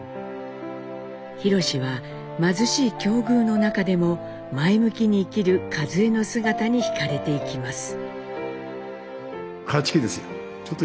弘史は貧しい境遇の中でも前向きに生きる和江の姿に惹かれていきます。